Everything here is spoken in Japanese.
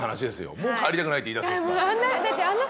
もう「帰りたくない」って言いだすんですか？